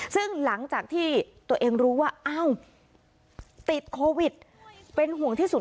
ซึ่งหลังจากที่ตัวเองรู้ว่าอ้าวติดโควิดเป็นห่วงที่สุด